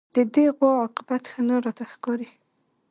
د دې غوا عاقبت ښه نه راته ښکاري